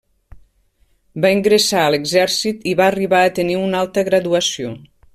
Va ingressar a l'exèrcit i va arribar a tenir una alta graduació.